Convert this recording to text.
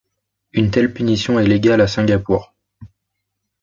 Une telle punition est légale à Singapour.